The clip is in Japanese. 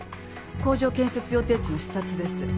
工場建設予定地の視察です。